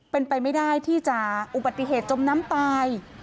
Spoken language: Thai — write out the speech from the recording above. เป็นไปไม่ได้ที่จะอุบัติเหตุจมน้ำตาย